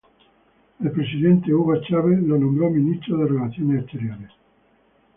El presidente Hugo Chávez lo nombró ministro de relaciones exteriores.